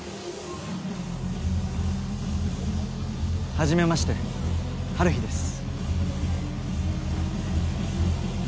はじめましてハルヒです。